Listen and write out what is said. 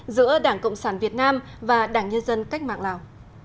giữa đảng cộng sản việt nam và đảng nhân dân cách mạng lào